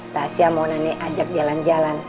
tasya mau nenek ajak jalan jalan